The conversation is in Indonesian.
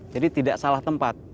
jadi tidak salah tempat